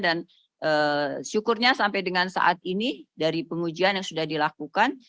dan syukurnya sampai dengan saat ini dari pengujian yang sudah dilakukan